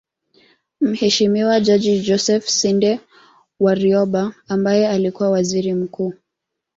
Mheshimiwa Jaji Joseph Sinde Warioba ambaye alikuwa Waziri Mkuu